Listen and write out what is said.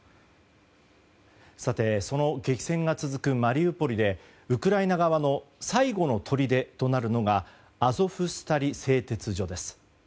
さて、その激戦が続くマリウポリでウクライナ側の最後のとりでとなるのがアゾフスタリ製鉄所です。